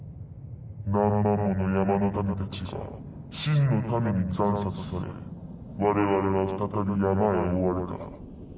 何万もの山の民たちが秦の民に惨殺され我々は再び山へ追われた。